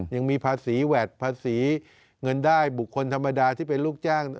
ยังมีภาษีแวดภาษีเงินได้บุคคลธรรมดาที่เป็นลูกจ้าง